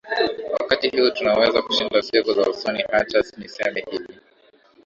wakati huu tunaweza kushinda siku za usoni hacha niseme hivi